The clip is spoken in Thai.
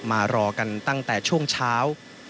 มารอกันตั้งแต่ช่วงเช้า